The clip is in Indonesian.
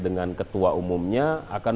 dengan ketua umumnya akan